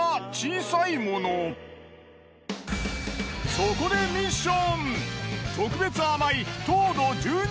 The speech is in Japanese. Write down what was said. そこでミッション。